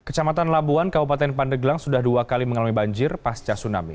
kecamatan labuan kabupaten pandeglang sudah dua kali mengalami banjir pasca tsunami